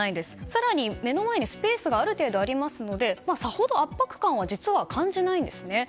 更に目の前にスペースがある程度ありますのでさほど圧迫感は実は感じないんですね。